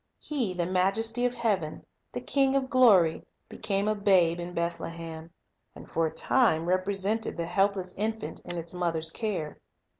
He, the Majesty of heaven, the King of glory, became a babe in Bethlehem, and for a time represented the helpless infant in its mother's care.